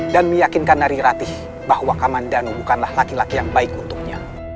dan meyakinkan narirati bahwa kamandano bukanlah laki laki yang baik untuknya